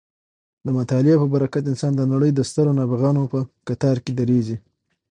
د مطالعې په برکت انسان د نړۍ د سترو نابغانو په کتار کې درېږي.